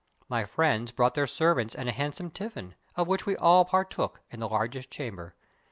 My friends brought their servants and a handsome tifi&n, of which we all partook, in the largest chamber.